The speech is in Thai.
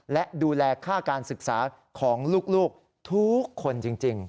และดูแลค่าการศึกษาของลูกทุกคนจริง